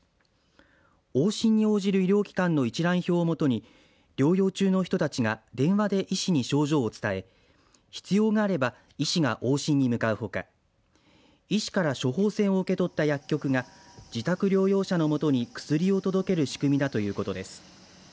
往診に応じる医療機関の一覧表をもとに療養中の人たちが電話で医師に症状を伝え必要があれば医師が往診に向かうほか医師から処方箋を受け取った薬局は自宅療養者の元に薬を届ける仕組みだということです。